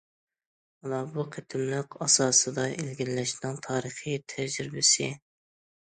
مانا بۇ مۇقىملىق ئاساسىدا ئىلگىرىلەشنىڭ تارىخىي تەجرىبىسى.